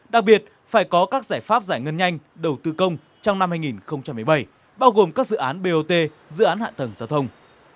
đặc biệt phải có các giải pháp giải ngân nhanh đầu tư công trong năm hai nghìn một mươi bảy bao gồm các dự án bot dự án hạ tầng giao thông